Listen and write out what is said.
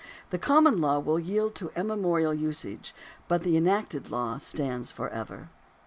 The common law will yield to imme morial usage, but the enacted law stands for ever.